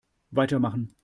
Weitermachen!